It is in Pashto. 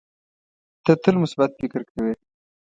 ته تل مثبت فکر کوې.